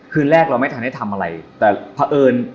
คืนแรกเราไม่ทันให้ทำอะไรแต่เผื่อเอิญ